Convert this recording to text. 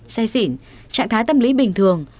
say xỉn trạng thái tâm lý bình thường